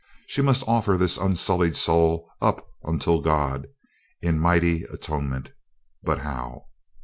She must offer this unsullied soul up unto God in mighty atonement but how?